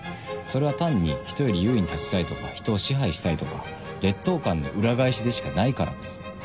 それは単に人より優位に立ちたいとか人を支配したいとか劣等感の裏返しでしかないからです。